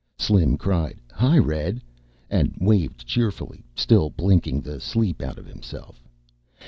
Slim cried, "Hi, Red!" and waved cheerfully, still blinking the sleep out of himself.